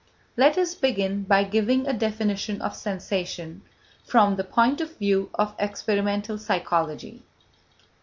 Let us begin by giving a definition of sensation from the point of view of experimental psychology.